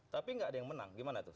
tapi nggak ada yang menang gimana tuh